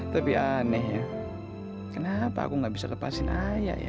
tapi aneh kenapa aku nggak bisa lepasin ayah ya